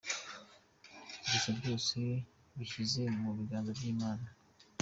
Gusa byose mbishyize mu biganza by’Imana".